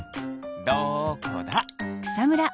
どこだ？